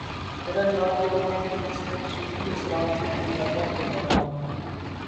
میرا جواب یہ ہو گا کہ میں صرف صوتی اثرات سے اندازہ کر رہا ہوں۔